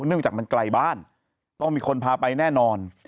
เนื่องจากมันไกลบ้านต้องมีคนพาไปแน่นอน